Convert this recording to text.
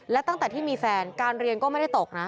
และตั้งแต่ที่มีแฟนการเรียนก็ไม่ได้ตกนะ